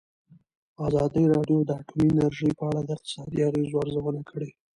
ازادي راډیو د اټومي انرژي په اړه د اقتصادي اغېزو ارزونه کړې.